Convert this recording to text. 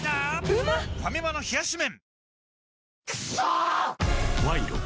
ファミマの冷し麺